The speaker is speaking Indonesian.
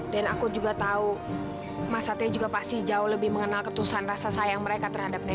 dan aku juga tau mas satria juga pasti jauh lebih mengenal ketusan rasa sayang mereka terhadap nenek